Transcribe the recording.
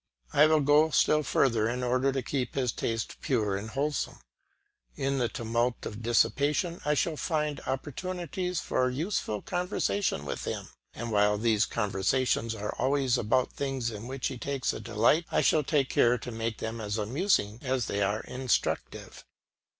I will go still further in order to keep his taste pure and wholesome. In the tumult of dissipation I shall find opportunities for useful conversation with him; and while these conversations are always about things in which he takes a delight, I shall take care to make them as amusing as they are instructive.